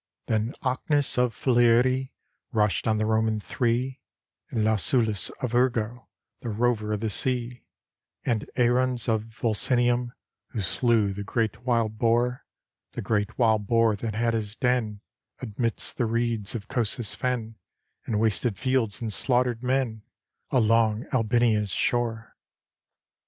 Then Ocnus of Falerii Rushed on the Roman Three; And Lausulus of Urgo, The rover of the sea; And Aruns of Volsinium, Who slew the great wild boar, The great wild boar that had his den Amidst the reeds of Cosa's fen, And wasted fields, and slaughtered men, Along Albinia's shore.